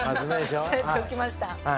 言っておきました。